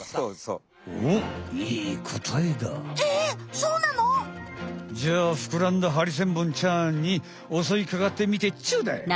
そうなの？じゃあふくらんだハリセンボンちゃんに襲いかかってみてちょうだい！